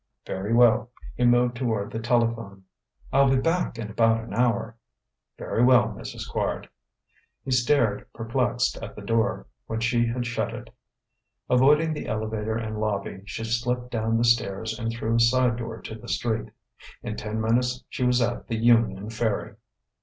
"Very well." He moved toward the telephone. "I'll be back in about an hour." "Very well, Mrs. Quard." He stared, perplexed, at the door, when she had shut it.... Avoiding the elevator and lobby, she slipped down the stairs and through a side door to the street. In ten minutes she was at the Union Ferry.